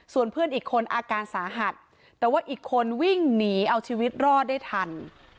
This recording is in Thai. ส่วนเพื่อนอีกคนอาการสาหัสแต่ว่าอีกคนวิ่งหนีเอาชีวิตรอดได้ทัน